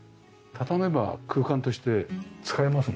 畳めば空間として使えますもんね